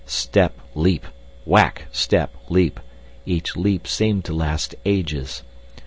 Step, leap ... whack, step, leap.... Each leap seemed to last ages.